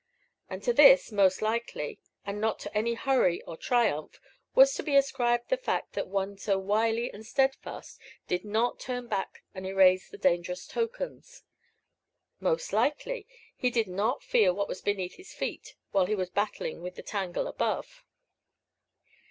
And to this, most likely, and not to any hurry or triumph, was to be ascribed the fact that one so wily and steadfast did not turn back and erase the dangerous tokens. Most likely, he did not feel what was beneath his feet, while he was battling with the tangle above.